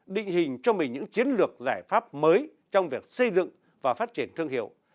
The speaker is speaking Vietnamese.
định hình cho mình những chiến lược giải pháp mới trong việc xây dựng và phát triển thương hiệu